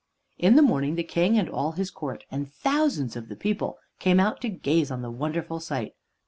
In the morning, the King and all his court, and thousands of the people, came out to gaze on the wonderful sight.